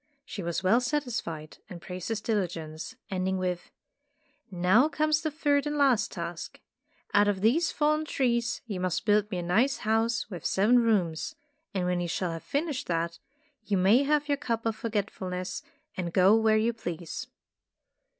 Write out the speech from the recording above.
She was well satisfied, and praised his diligence, ending with, "Now comes the third and last task. Out of these fallen trees you must build me a nice house with seven rooms, and when you shall have finished that, you may have your cup of Forgetful ness and go where you please."